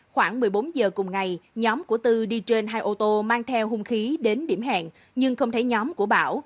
khoảng một mươi bốn giờ cùng ngày nhóm của tư đi trên hai ô tô mang theo hung khí đến điểm hẹn nhưng không thấy nhóm của bảo